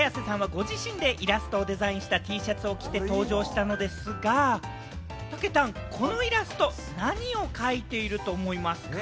ご自身でイラストをデザインしたＴシャツを着て登場したのですが、たけたん、このイラスト、何を描いていると思いますか？